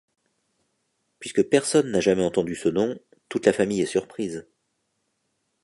Puisque personne n'a jamais entendu ce nom, toute la famille est surprise.